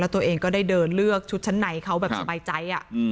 ตัวเองก็ได้เดินเลือกชุดชั้นในเขาแบบสบายใจ